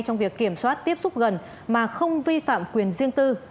trong việc kiểm soát tiếp xúc gần mà không vi phạm quyền riêng tư